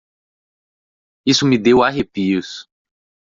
Isso me deu arrepios.